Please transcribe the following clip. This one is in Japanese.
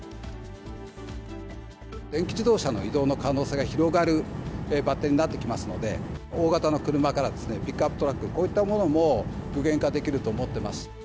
電気自動車の移動の可能性が広がるバッテリーになってきますので、大型の車からピックアップトラック、こういったものも具現化できると思ってます。